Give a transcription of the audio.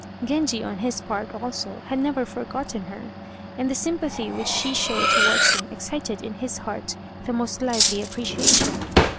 Genji, on his part also, had never forgotten her, and the sympathy which she showed towards him excited in his heart the most lively appreciation.